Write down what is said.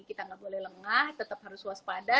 kita nggak boleh lengah tetap harus waspada